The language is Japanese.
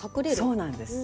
そうなんです。